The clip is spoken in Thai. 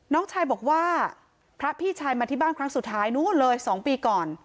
น้องชายบอกว่าพระพี่ชายมาที่บ้านครั้งสุดท้ายนู้นเลย๒ปีก่อน